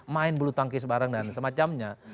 main bulu tangkis bareng dan semacamnya